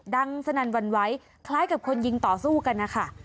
สนั่นวันไหวคล้ายกับคนยิงต่อสู้กันนะคะ